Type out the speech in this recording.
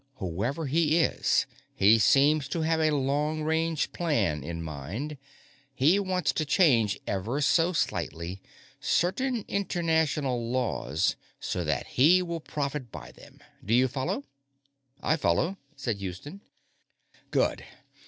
Whoever he is, he seems to have a long range plan in mind; he wants to change, ever so slightly, certain international laws so that he will profit by them. Do you follow?" "I follow," said Houston. "Good.